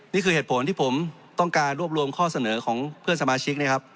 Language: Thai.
นี่คือเหตุผลที่ผมต้องการรวบรวมข้อเสนอของเพื่อนสมาชิกนะครับ